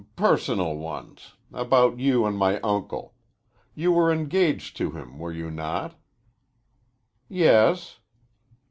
"Personal ones. About you and my uncle. You were engaged to him, were you not?" "Yes."